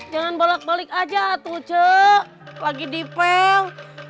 jangan bolak balik aja tuh cek lagi dipeng